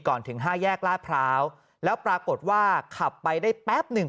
ถึงห้าแยกลาดพร้าวแล้วปรากฏว่าขับไปได้แป๊บหนึ่ง